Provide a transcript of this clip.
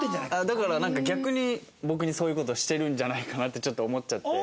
だから逆に僕にそういう事をしてるんじゃないかなってちょっと思っちゃって。